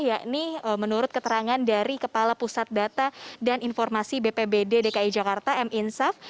yakni menurut keterangan dari kepala pusat data dan informasi bpbd dki jakarta m insaf